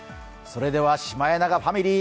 それではシマエナガファミリー